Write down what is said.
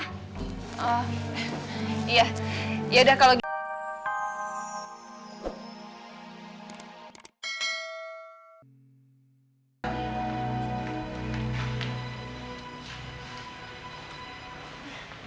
iya yaudah kalau gitu